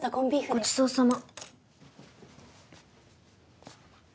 ごちそうさま。